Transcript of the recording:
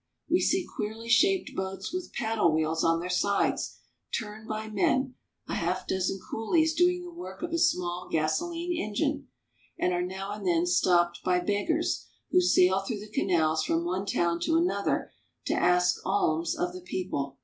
We see queerly shaped boats with paddle wheels on their sides, turned by men, a half dozen coolies doing the work of a small gasoline engine ; and are now and then stopped by beggars, who sail through the canals from one town to another to ask alms of the people.